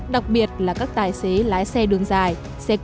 đặc biệt là các tài xế